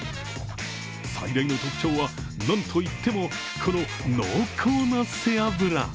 最大の特徴はなんといってもこの濃厚な背脂。